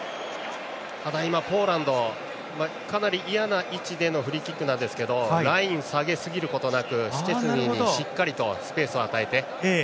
ただ、今ポーランドはかなり嫌な位置でのフリーキックなんですがラインを下げすぎることなくシュチェスニーにしっかりとスペースを与えて。